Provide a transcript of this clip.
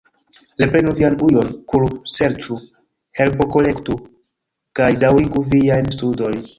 Reprenu vian ujon, kuru, serĉu, herbokolektu, kaj daŭrigu viajn studojn.